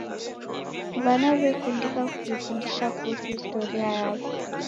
W'ana w'ekundika kujifundisha kuhusu historia yaw'o.